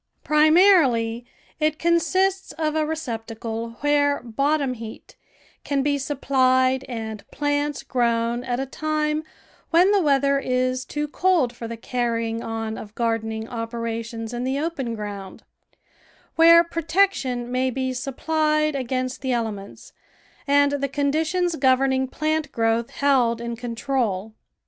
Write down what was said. Primarily, it consists of a receptacle where bot tom heat can be supplied and plants grown at a time when the weather is too cold for the carrying on of gardening operations in the open ground; where protection may be supplied against the ele ments and the conditions governing plant growth held in control.